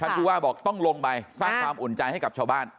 ผู้ว่าบอกต้องลงไปสร้างความอุ่นใจให้กับชาวบ้าน